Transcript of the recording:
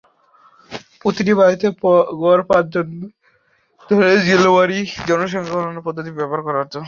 প্রতিটি বাড়িতে গড়ে পাঁচ জন ধরে জেলাওয়ারি জনসংখ্যার গণনার পদ্ধতি ব্যবহার করা হতো।